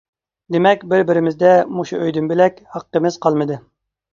دېمەك، بىر-بىرىمىزدە مۇشۇ ئۆيدىن بۆلەك ھەققىمىز قالمىدى.